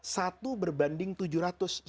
satu berbanding tujuh ratus